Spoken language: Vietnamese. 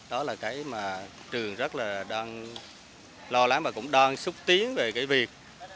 đó là cái mà trường rất là lo lắng và cũng đang xúc tiến về cái việc